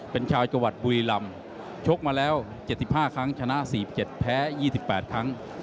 เป็นชาวจังหวัดบุรีรำชกมาแล้ว๗๕ครั้งชนะ๔๗แพ้๒๘ครั้ง